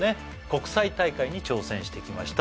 国際大会に挑戦してきました